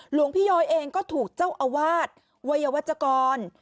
หลวงพี่ย้อยเองก็ถูกเจ้าอาวาสวัยวจกร